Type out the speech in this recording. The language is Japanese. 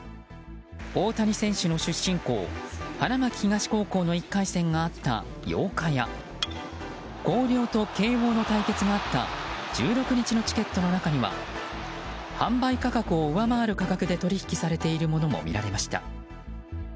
大谷選手の出身校・花巻東高校の１回戦があった８日や広陵と慶応の対決があった１６日のチケットの中には販売価格を上回る価格で取引されているものもありました。